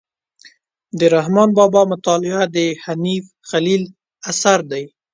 د رحمان بابا مطالعه د حنیف خلیل اثر دی.